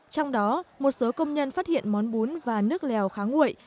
trong đó một số công nhân phát hiện món bún và nước lèo kháng nguội